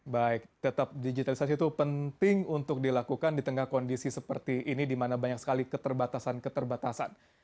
baik tetap digitalisasi itu penting untuk dilakukan di tengah kondisi seperti ini di mana banyak sekali keterbatasan keterbatasan